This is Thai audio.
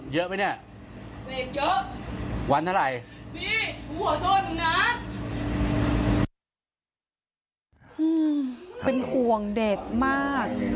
ฮืมเป็นห่วงเด็กมาก